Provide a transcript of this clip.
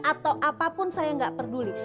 atau apapun saya nggak peduli